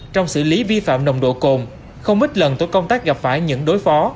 trong xử lý vi phạm nồng độ cồn không ít lần tổ công tác gặp phải những đối phó